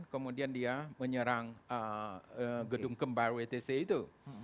kemudian dia menyerang gedung kembar wtc itu